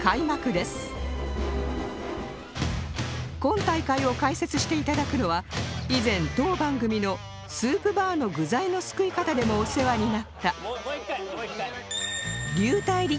今大会を解説して頂くのは以前当番組のスープバーの具材のすくい方でもお世話になった